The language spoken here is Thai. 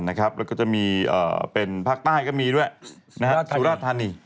แล้วก็จะมีเป็นภาคใต้ก็มีด้วยสุราธานี